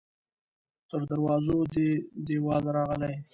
تر دروازو دې دیوال راغلی